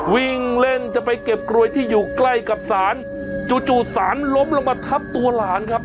วิ่งเล่นจะไปเก็บกลวยที่อยู่ใกล้กับศาลจู่สารล้มลงมาทับตัวหลานครับ